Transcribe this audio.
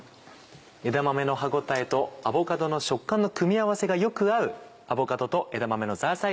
枝豆の歯応えとアボカドの食感の組み合わせがよく合うアボカドと枝豆のザーサイ